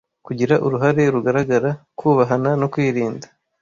kugira uruhare rugaragara, kubahana no kwirinda